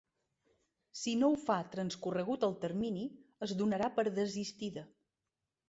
Si no ho fa transcorregut el termini, es donarà per desistida.